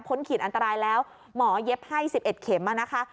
ขีดอันตรายแล้วหมอเย็บให้๑๑เข็มนะคะ